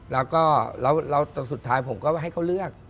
แล้วก็สุดท้ายผมก็ให้เขาเลือก